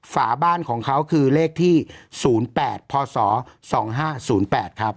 ฝาบ้านของเขาคือเลขที่ศูนย์แปดพศสองห้าศูนย์แปดครับ